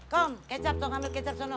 kom kecap dong ambil kecap sono